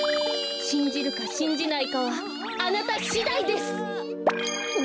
しんじるかしんじないかはあなたしだいです！